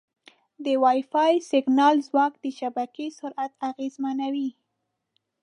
د وائی فای سیګنال ځواک د شبکې سرعت اغېزمنوي.